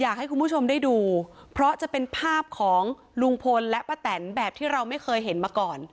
อยากให้คุณผู้ชมได้ดูเพราะจะเป็นภาพของลุงพลและป้าแตนแบบที่เราไม่เคยเห็นมาก่อน